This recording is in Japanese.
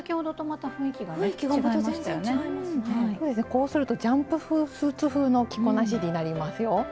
こうするとジャンプスーツ風の着こなしになりますよ。